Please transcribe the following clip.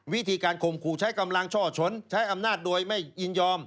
วิธีการข่มขู่ใช้กำลังช่อชนใช้อำนาจโดยไม่ยินยอม